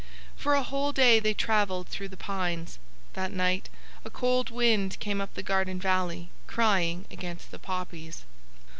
For a whole day they travelled through the pines. That night a cold wind came up the garden valley crying against the poppies.